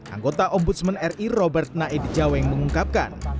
anggota om budsman ri robert naedijaweng mengungkapkan